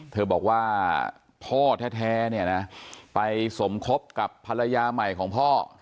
เธอบอกว่าพ่อแท้เนี่ยนะไปสมคบกับภรรยาใหม่ของพ่อ